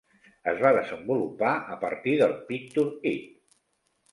Es va desenvolupar a partir del Picture It!